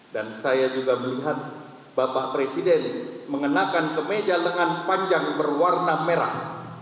dan saya juga melihat bapak presiden mengenakan kemeja lengan panjang berwarna merah